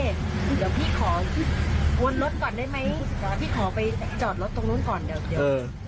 เดี๋ยวพี่ขอวนรถก่อนได้ไหมพี่ขอไปจอดรถตรงนู้นก่อนเดี๋ยว